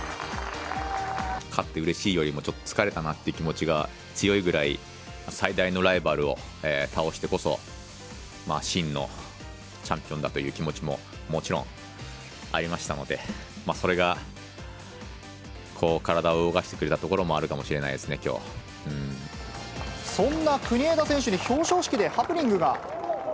勝ってうれしいよりも、ちょっと疲れたなっていう気持ちが強いぐらい、最大のライバルを倒してこそ、真のチャンピオンだという気持ちももちろんありましたので、それが体を動かしてくれたところもあるかもしれないですね、そんな国枝選手に表彰式でハプニングが。